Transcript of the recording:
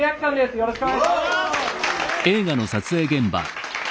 よろしくお願いします。